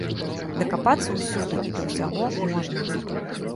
Дакапацца ўсюды і да ўсяго можна.